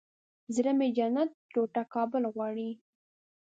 زړه مې جنت ټوټه کابل غواړي